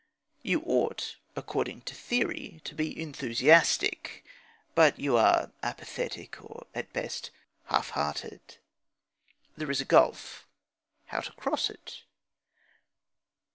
You ought, according to theory, to be enthusiastic; but you are apathetic, or, at best, half hearted. There is a gulf. How to cross it?